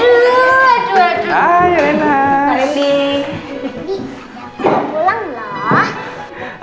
randy aku mau pulang loh